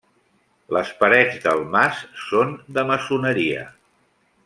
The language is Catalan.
Les parets del mas són de maçoneria.